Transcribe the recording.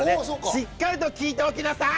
しっかりと聞いておきなさい！